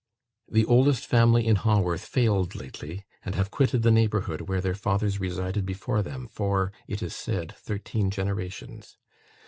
... The oldest family in Haworth failed lately, and have quitted the neighbourhood where their fathers resided before them for, it is said, thirteen generations.